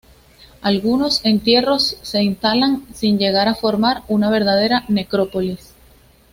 Algunos entierros se instalan sin llegar a formar una verdadera necrópolis.